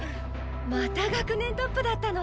また学年トップだったのね！